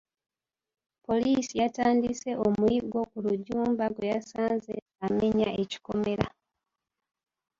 Poliisi yatandise omuyiggo ku Rujjumba gwe yasanze nga amenya ekikomera.